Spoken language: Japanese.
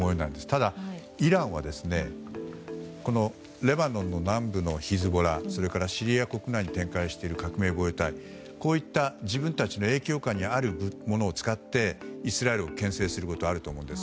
ただ、イランはレバノンの南部のヒズボラそれからシリア国内に展開している革命防衛隊こういった自分たちの影響下にあるものを使ってイスラエルを牽制することはあると思うんです。